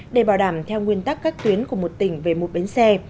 để bảo đảm theo nguyên tắc các tuyến của một tỉnh về một bến xe